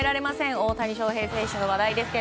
大谷翔平選手の話題です。